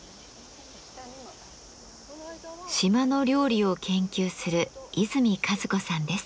島の料理を研究する泉和子さんです。